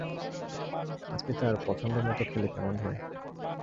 আজকে তার পছন্দমতো খেলে কেমন হয়?